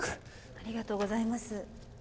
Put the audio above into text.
ありがとうございます。